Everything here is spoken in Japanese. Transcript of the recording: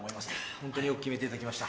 ホントによく決めていただきました。